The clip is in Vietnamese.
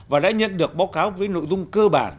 và đã nhận được báo cáo với nội dung cơ bản